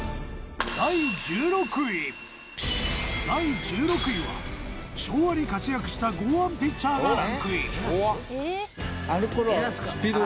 第１６位は昭和に活躍した剛腕ピッチャーがランクイン。